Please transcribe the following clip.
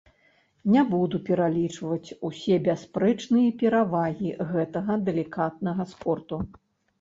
Не буду пералічваць усе бясспрэчныя перавагі гэтага далікатнага спорту.